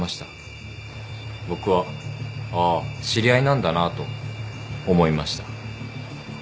僕はああ知り合いなんだなと思いました。